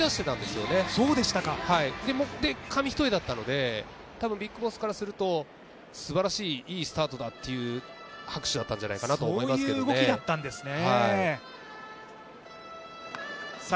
それで紙一重だったので、多分ＢＩＧＢＯＳＳからするとすばらしい、いいスタートだという拍手だったんじゃないかと思いますけどね。